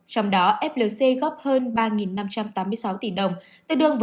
trong đó flc góp hơn ba năm trăm tám mươi sáu tỷ đồng tương đương với năm mươi một hai mươi bốn